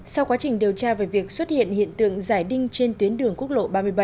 sau quá trình điều tra về việc xuất hiện hiện tượng giải đinh trên tuyến đường quốc lộ ba mươi bảy